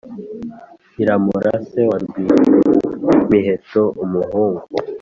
iramura se wa rwimiheto umuhungu,